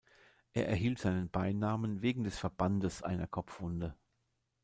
Er erhielt seinen Beinamen wegen des Verbandes einer Kopfwunde.